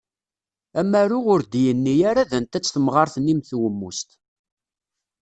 Amaru ur d-yenni ara d anta-tt temɣart-nni mm twemmust.